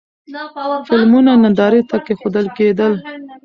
فلمونه نندارې ته کېښودل کېدل.